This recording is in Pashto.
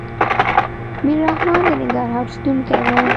ميررحمان د ننګرهار اوسيدونکی دی.